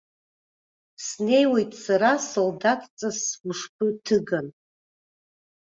Снеиуеит сара солдаҭҵас сгәышԥы ҭыган.